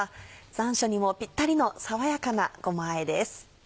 残暑にもピッタリの爽やかなごまあえです。